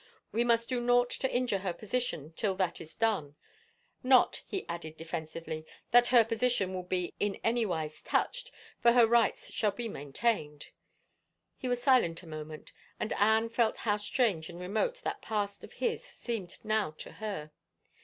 We must do naught to injure her position till that is done. Not," he added de fensively, " that her position will be in any wise touched, for her rights shall be maintained." He was silent a moment, and Anne felt how strange and remote that past of his seemed now to her.